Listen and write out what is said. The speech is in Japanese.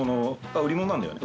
売り物なんだよね？